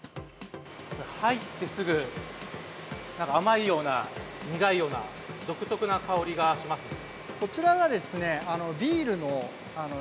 入ってすぐ甘いような苦いような独特な香りがしますね。